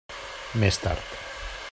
Més tard.